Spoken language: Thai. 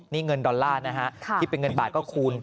นี่เงินดอลลาร์นะฮะคิดเป็นเงินบาทก็คูณ